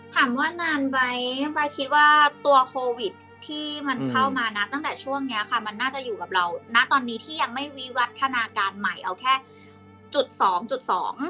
ถามว่านานไหมป้าคิดว่าตัวโควิดที่มันเข้ามานะตั้งแต่ช่วงเนี้ยค่ะมันน่าจะอยู่กับเราณตอนนี้ที่ยังไม่วิวัฒนาการใหม่เอาแค่จุดสองจุดสอง